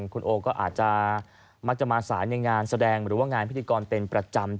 คุณโอก็อาจจะมักจะมาสายในงานแสดงหรือว่างานพิธีกรเป็นประจำ